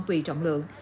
tùy trọng lượng